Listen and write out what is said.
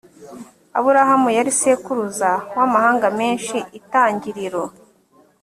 aburahamu yari sekuruza w amahanga menshi itangiriro